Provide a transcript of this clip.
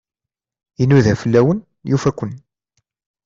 Inuda fell-awen, yufa-ken.